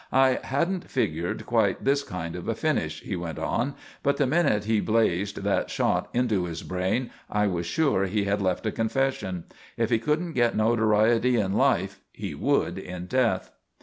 "I hadn't figured quite this kind of a finish," he went on. "But the minute he blazed that shot into his brain I was sure he had left a confession. If he couldn't get notoriety in life he would in death."